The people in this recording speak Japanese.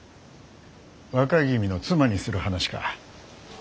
若君の妻にする話か。